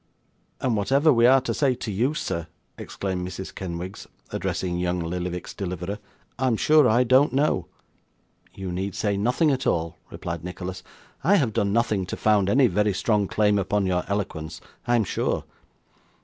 'And whatever we are to say to you, sir,' exclaimed Mrs. Kenwigs, addressing young Lillyvick's deliverer, 'I am sure I don't know.' 'You need say nothing at all,' replied Nicholas. 'I have done nothing to found any very strong claim upon your eloquence, I am sure.